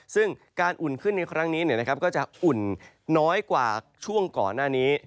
ซึ่งการอุ่นขึ้นในครั้งนี้ก็จะอุ่นน้อยกว่าช่วงก่อนหน้านี้